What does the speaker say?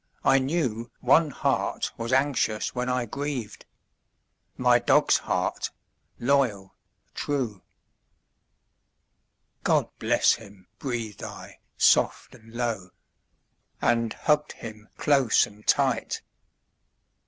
I knew One heart was anxious when I grieved My dog's heart, loyal, true. "God bless him," breathed I soft and low, And hugged him close and tight.